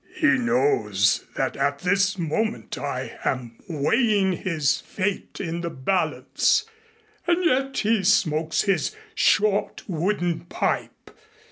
He knows that at this moment I am weighing his fate in the balance and yet he smokes his short wooden pipe.